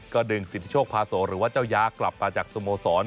ก็ดึงสิทธิโชคพาโสหรือว่าเจ้าย้ากลับมาจากสโมสร